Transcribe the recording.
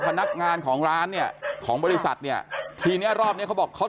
พนักงานของร้านเนี่ยของบริษัทเนี่ยทีเนี้ยรอบเนี้ยเขาบอกเขา